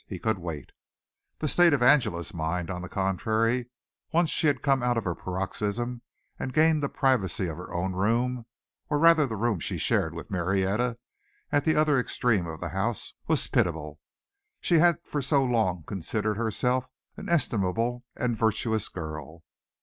He could wait. The state of Angela's mind, on the contrary, once she had come out of her paroxysm and gained the privacy of her own room, or rather the room she shared with Marietta at the other extreme of the house, was pitiable. She had for so long considered herself an estimable and virtuous girl.